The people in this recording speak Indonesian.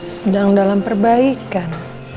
sedang dalam perbaikan